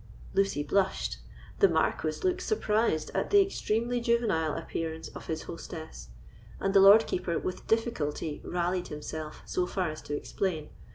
Lucy blushed; the Marquis looked surprised at the extremely juvenile appearance of his hostess, and the Lord Keeper with difficulty rallied himself so far as to explain.